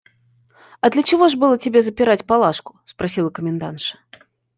– «А для чего ж было тебе запирать Палашку? – спросила комендантша.